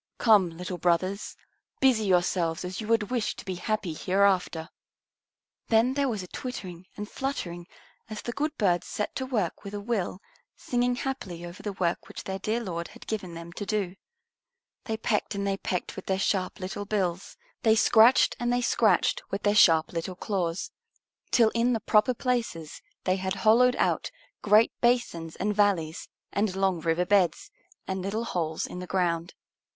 Come, little brothers, busy yourselves as you would wish to be happy hereafter." Then there was a twittering and fluttering as the good birds set to work with a will, singing happily over the work which their dear Lord had given them to do. They pecked and they pecked with their sharp little bills; they scratched and they scratched with their sharp little claws, till in the proper places they had hollowed out great basins and valleys and long river beds, and little holes in the ground.